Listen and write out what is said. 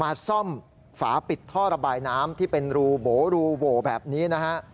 มาซ่อมฝาปิดท่อระบายน้ำที่เป็นรูโบรูโหวแบบนี้นะฮะ